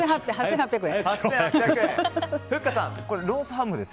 ８０００円。